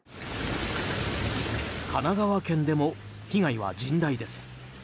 神奈川県でも被害は甚大です。